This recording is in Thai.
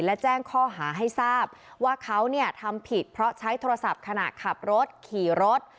และแจ้งข้อหาให้ทราบว่าเขาทำผิดเพราะใช้โทรศัพท์ขณะขับรถขี่รถ